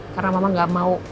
karena mama gak mau